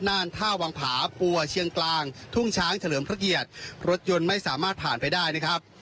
ท่าวังผาปัวเชียงกลางทุ่งช้างเฉลิมพระเกียรติรถยนต์ไม่สามารถผ่านไปได้นะครับ